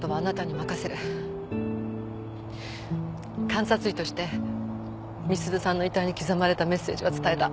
監察医として美鈴さんの遺体に刻まれたメッセージは伝えた。